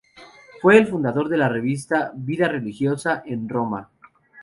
Fue el fundador de la revista "Vida religiosa", en Roma.